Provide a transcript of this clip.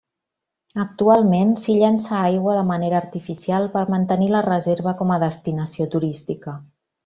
Actualment, s'hi llença aigua de manera artificial per mantenir la reserva com a destinació turística.